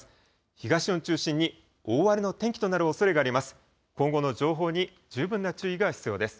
東日本中心に大荒れの天気となるおそれがあります。